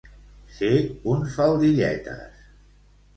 Ser un faldilletes.